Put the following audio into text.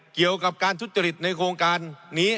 เกี่ยวกับการทุจริตในโครงการนี้